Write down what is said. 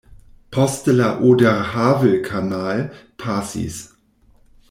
Poste la Oder-Havel-Kanal pasis.